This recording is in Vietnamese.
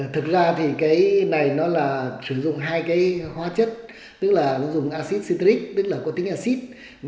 thực ra thì cái này nó là sử dụng hai cái hóa chất tức là nó dùng acid cityc tức là có tính acid